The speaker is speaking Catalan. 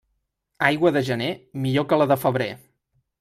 Aigua de gener, millor que la de febrer.